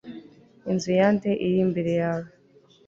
inzu ya nde iri imbere yawe